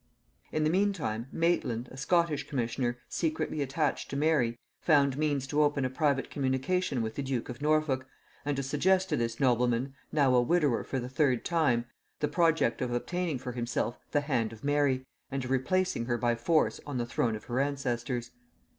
In the mean time Maitland, a Scottish commissioner secretly attached to Mary, found means to open a private communication with the duke of Norfolk, and to suggest to this nobleman, now a widower for the third time, the project of obtaining for himself the hand of Mary, and of replacing her by force on the throne of her ancestors.